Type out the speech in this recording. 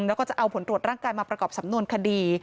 แล้วก็จะเอาผลตรวจร่างกายมาประกอบสำนวนคดี